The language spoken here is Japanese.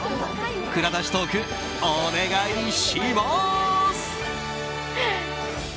蔵出しトークお願いします。